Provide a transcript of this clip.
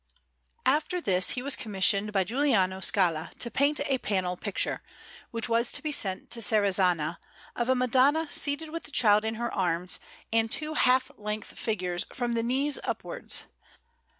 After this he was commissioned by Giuliano Scala to paint a panel picture, which was to be sent to Serrazzana, of a Madonna seated with the Child in her arms, and two half length figures from the knees upwards, S.